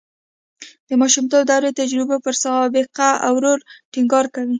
د ماشومتوب دورې تجربو پر سابقه او رول ټینګار کوي